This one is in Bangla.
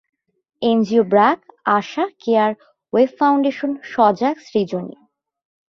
NGO BRAC, ASA, CARE, Wave Foundation, Sajag, Srijani.